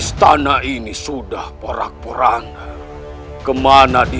nanti kita bulan untuk pergi